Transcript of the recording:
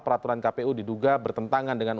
peraturan kpu diduga bertentangan dengan